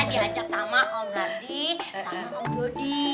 diajak sama om hardi sama om dodi